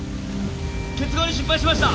結合に失敗しました